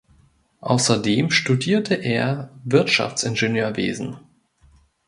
Außerdem studierte er Wirtschaftsingenieurwesen.